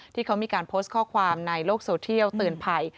ที่เขามีการโพสต์ข้อความในโลกโซเทียลเตือนภัย